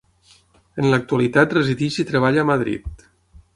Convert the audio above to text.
En l'actualitat resideix i treballa a Madrid.